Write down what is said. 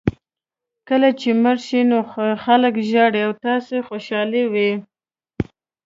کله چې مړ شئ نور خلک ژاړي او تاسو خوشاله وئ.